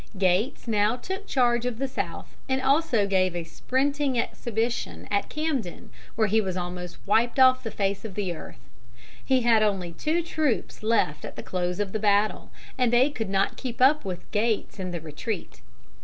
Gates now took charge of the South, and also gave a sprinting exhibition at Camden, where he was almost wiped off the face of the earth. He had only two troops left at the close of the battle, and they could not keep up with Gates in the retreat.